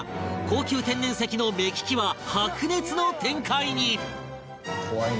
高級天然石の目利きは白熱の展開に！